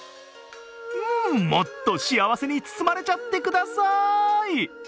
うーん、もっと幸せに包まれちゃってくださーい。